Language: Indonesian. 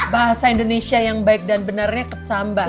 bahasa indonesia yang baik dan benarnya kecambah